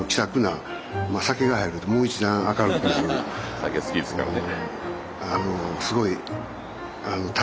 酒好きですからね。